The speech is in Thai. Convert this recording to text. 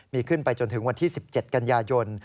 มีขึ้นไปจนถึงวันที่๑๗กันยายน